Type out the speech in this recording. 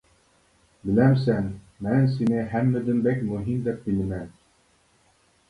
بىلەمسەن، مەن سېنى ھەممىدىن بەك مۇھىم دەپ بىلىمەن.